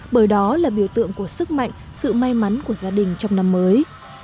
bởi đó là biểu tượng của sức mạnh sự may mắn của gia đình trong năm mới